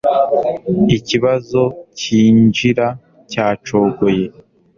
Ikibazo cyinjira cyacogoye